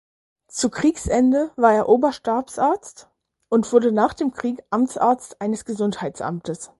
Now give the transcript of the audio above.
Zu Kriegsende war er Oberstabsarzt und wurde nach dem Krieg Amtsarzt eines Gesundheitsamtes.